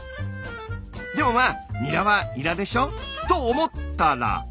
でもまあニラはニラでしょと思ったら。